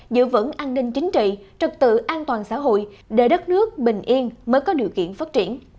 giữ vững an ninh chính trị trật tự an toàn xã hội để đất nước bình yên mới có điều kiện phát triển